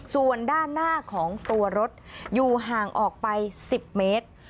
ส่วนด้านหน้าของตัวรถอยู่ห่างออกไป๑๐เมตร